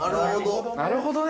◆なるほどね。